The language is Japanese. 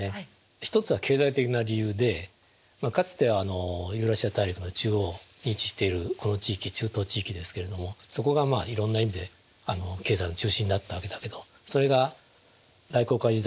一つは経済的な理由でかつてはユーラシア大陸の中央に位置しているこの地域中東地域ですけれどもそこがいろんな意味で経済の中心だったわけだけどそれが大航海時代